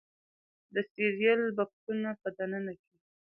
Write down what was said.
د سیریل بکسونو په دننه کې